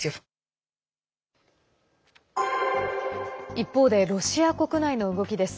一方でロシア国内の動きです。